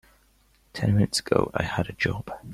Ten minutes ago I had a job.